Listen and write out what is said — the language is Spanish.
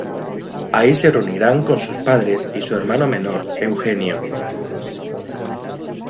Ahí se reunirían con sus padres y su hermano menor Eugenio.